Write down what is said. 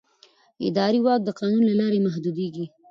اداري واک د قانون له لارې محدودېږي.